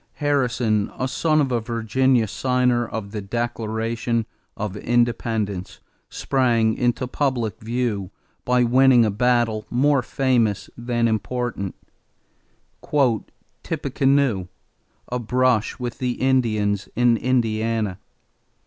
Harrison, a son of a Virginia signer of the Declaration of Independence, sprang into public view by winning a battle more famous than important, "Tippecanoe" a brush with the Indians in Indiana.